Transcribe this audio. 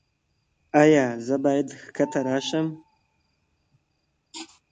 ایا زه باید ښکته راشم؟